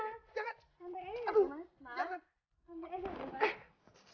mas sampai aja mas